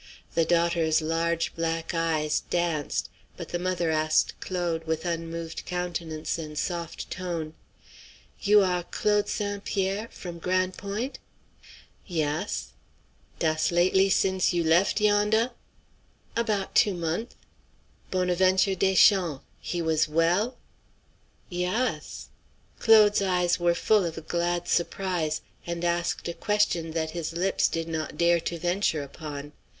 The daughter's large black eyes danced, but the mother asked Claude, with unmoved countenance and soft tone: "You are Claude St. Pierre? from Gran' Point'?" "Yass." "Dass lately since you left yondah?" "About two month'." "Bonaventure Deschamps he was well?" "Yass." Claude's eyes were full of a glad surprise, and asked a question that his lips did not dare to venture upon.